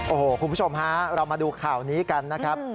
โอ้โหคุณผู้ชมฮะเรามาดูข่าวนี้กันนะครับ